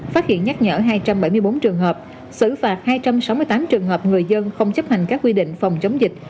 phát hiện nhắc nhở hai trăm bảy mươi bốn trường hợp xử phạt hai trăm sáu mươi tám trường hợp người dân không chấp hành các quy định phòng chống dịch